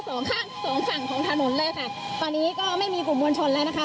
สองข้างสองฝั่งของถนนเลยค่ะตอนนี้ก็ไม่มีกลุ่มมวลชนแล้วนะคะ